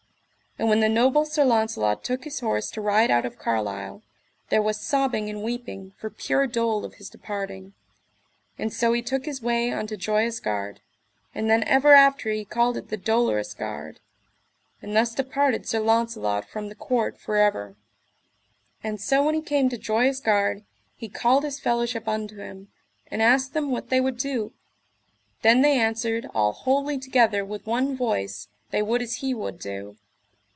And when the noble Sir Launcelot took his horse to ride out of Carlisle, there was sobbing and weeping for pure dole of his departing; and so he took his way unto Joyous Gard. And then ever after he called it the Dolorous Gard. And thus departed Sir Launcelot from the court for ever. And so when he came to Joyous Gard he called his fellowship unto him, and asked them what they would do. Then they answered all wholly together with one voice they would as he would do.